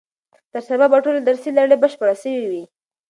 تر سبا به ټوله درسي لړۍ بشپړه سوې وي.